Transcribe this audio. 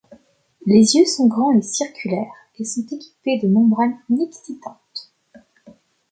Les yeux sont grands et circulaires, et sont équipés de membranes nictitantes.